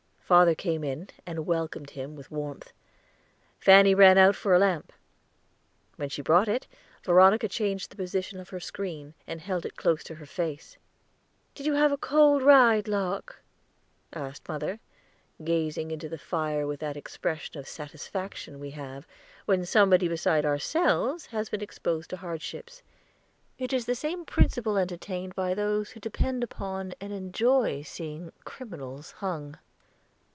Father came in, and welcomed him with warmth. Fanny ran out for a lamp; when she brought it, Veronica changed the position of her screen, and held it close to her face. "Did you have a cold ride, Locke?" asked mother, gazing into the fire with that expression of satisfaction we have when somebody beside ourselves has been exposed to hardships. It is the same principle entertained by those who depend upon and enjoy seeing criminals hung.